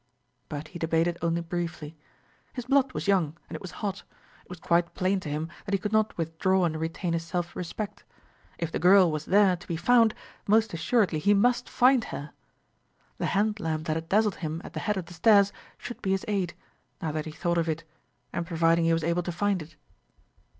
But he debated only briefly. His blood was young, and it was hot; it was quite plain to him that he could not withdraw and retain his self respect. If the girl was there to be found, most assuredly, he must find her. The hand lamp that had dazzled him at the head of the stairs should be his aid, now that he thought of it, and providing he was able to find it.